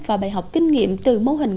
và bài học kinh nghiệm từ mô hình